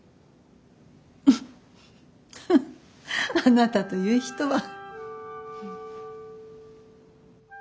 ウフッフッあなたという人は。